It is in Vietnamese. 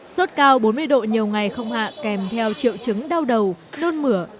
sốt cao bốn mươi độ nhiều ngày không hạ kèm theo triệu chứng đau đầu nôn mửa